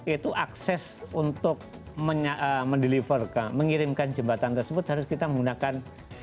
itu akses untuk mendeliver mengirimkan jembatan tersebut harus kita menggunakan